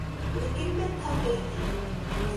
لیکن میں تھک گئی تھی